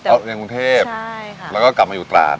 เขาเรียนกรุงเทพแล้วก็กลับมาอยู่ตราด